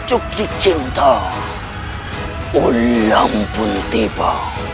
ucuk di cinta ulam pun tiba